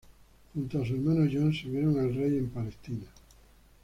Junto a su hermano John sirvieron al rey en la Tierra Santa.